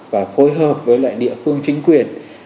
và phối hợp với lại địa phương chính quyền